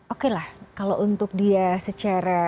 oke lah kalau untuk dia secara